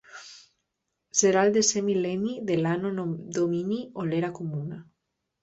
Serà el desè mil·lenni de l'Anno Domini o l'Era Comuna.